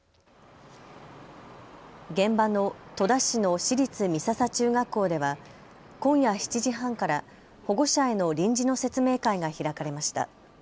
現場の戸田市の市立美笹中学校では今夜７時半から保護者への臨時の説明会が開かれました。